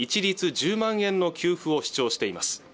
１０万円の給付を主張しています